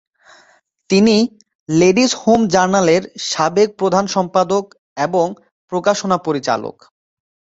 তিনি "ladies home জার্নালের" সাবেক প্রধান সম্পাদক এবং প্রকাশনা পরিচালক।